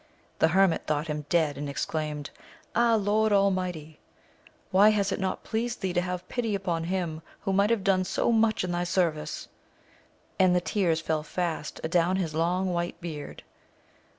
The hermit thought him dead, and exclaimed. Ah, Lord Almighty, why has it not pleased thee to have pity upon him who might have done so much in thy service ! and the tears fell fast adown his long white beard.